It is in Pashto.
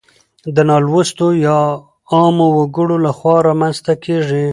د نالوستو يا عامو وګړو لخوا رامنځته کيږي.